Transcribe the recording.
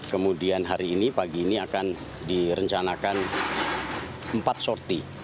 kemudian hari ini pagi ini akan direncanakan empat sorti